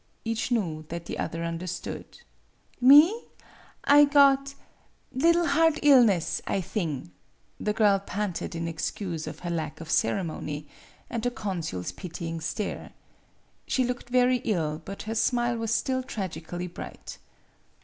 Each knew that the other understood. " Me ? I got liddle heart illness, I thing," the girl panted in excuse of her lack of cere 7 6 MADAME BUTTERFLY mony and the consul's pitying stare. She looked very ill; but her smile was still tragically bright.